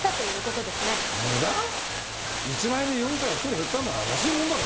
１万円で容疑者が１人減ったんだ安いもんだろ。